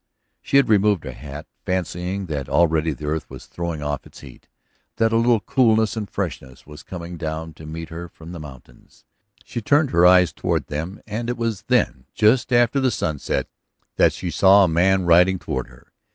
She had removed her hat, fancying that already the earth was throwing off its heat, that a little coolness and freshness was coming down to meet her from the mountains. She turned her eyes toward them and it was then, just after the sunset, that she saw a man riding toward her.